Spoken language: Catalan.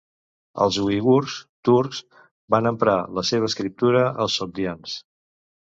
Els uigurs, turcs, van emprar la seva escriptura als sogdians.